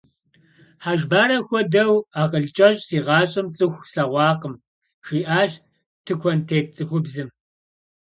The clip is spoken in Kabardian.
Хьэжбарэ хуэдэу акъыл кӀэщӀ си гъащӀэм цӀыху слъэгъуакъым, – жиӀащ тыкуэнтет цӀыхубзым.